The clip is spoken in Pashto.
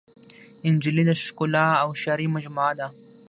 نجلۍ د ښکلا او هوښیارۍ مجموعه ده.